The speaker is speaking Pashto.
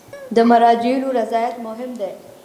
د مراجعینو رضایت مهم دی